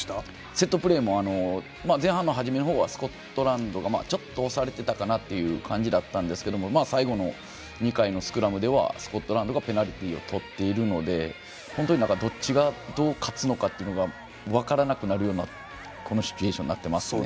セットプレーも前半の初めの方はスコットランドが、ちょっと押されてたかなという感じだったんですけど最後の２回のスクラムではスコットランドがペナルティーをとっているので本当に、どっちがどう勝つのかが分からなくなるようなシチュエーションになってますね。